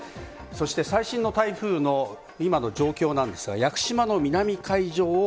そして最新の台風の今の状況なんですが、屋久島の南海上を、